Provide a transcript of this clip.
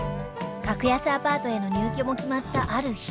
格安アパートへの入居も決まったある日